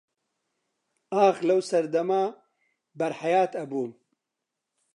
ئاخ لەو سەردەما بەر حەیات ئەبووم